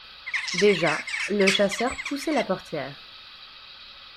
Déjà le chasseur poussait la portière.